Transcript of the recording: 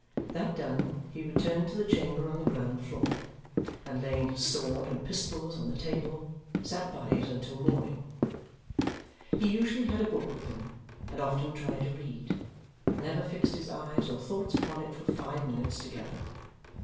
That done, he returned to the chamber on the ground floor, and laying his sword and pistols on the table, sat by it until morning. He usually had a book with him, and often tried to read, but never fixed his eyes or thoughts upon it for five minutes together.